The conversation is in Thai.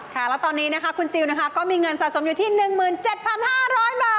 แล้วตอนนี้คุณจิลก็มีเงินสะสมอยู่ที่๑๗๕๐๐บาท